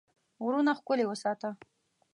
غرونه ښکلي وساته.